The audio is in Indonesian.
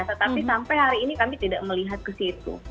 tetapi sampai hari ini kami tidak melihat ke situ